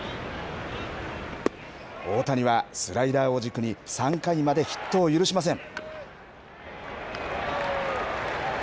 大谷はスライダーを軸に、３回までヒットを許しません。